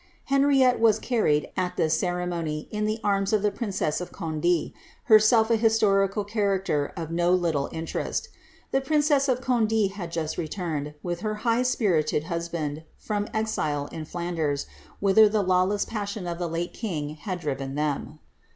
Henriette was carried, at this ceremony, in the arms of the princess of Conde,' herself an historical character of no little in« lerest The princess of Conde had just returned, with her high spirited husband, from exile in Flanders, whither the lawless passion of the late king had driven them.